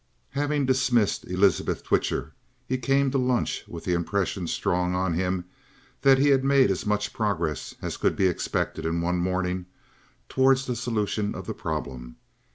Having dismissed Elizabeth Twitcher, he came to lunch with the impression strong on him that he had made as much progress as could be expected in one morning towards the solution of the problem.